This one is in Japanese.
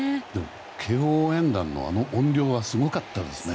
慶応応援団の音量はすごかったですね。